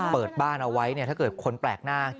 เปิดบ้านเอาไว้เนี่ยถ้าเกิดคนแปลกหน้า